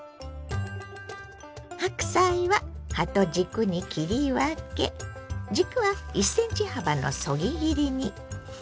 白菜は葉と軸に切り分け軸は１ｃｍ幅のそぎ切りに。